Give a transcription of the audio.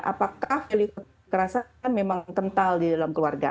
apakah value kekerasan kan memang kental di dalam keluarga